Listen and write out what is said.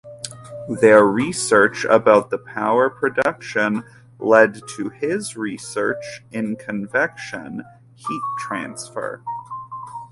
Their research about the power production led to his research in convection heat transfer.